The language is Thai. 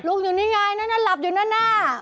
ลุงอยู่นี่ไงลับอยู่นั่นหน้า